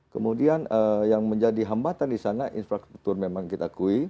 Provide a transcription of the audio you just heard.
kemudian yang menjadi hambatan di sana infrastruktur memang kita akui